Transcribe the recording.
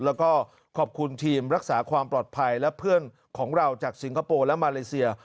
แล้วก็ขอบคุณทีมรักษาความปลอดภัยและเพื่อนของเราจากสิงคโปร์และมาเลเซีย